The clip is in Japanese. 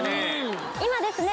今ですね